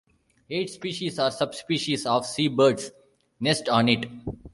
Eight species or subspecies of seabirds nest on it.